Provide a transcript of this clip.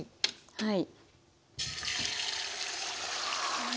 はい。